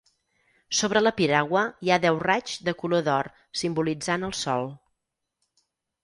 Sobre la piragua hi ha deu raigs de color d'or simbolitzant el sol.